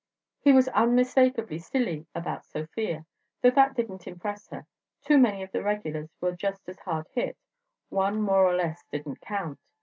He was unmistakably silly about Sofia; though that didn't impress her, too many of the regulars were just as hard hit, one more or less didn't count.